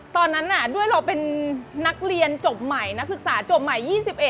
ตอนนั้นด้วยเราเป็นนักเรียนจบใหม่นักศึกษาจบใหม่๒๑